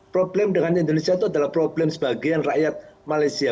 problem dengan indonesia itu adalah problem sebagian rakyat malaysia